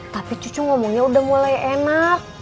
tapi cucu ngomongnya udah mulai enak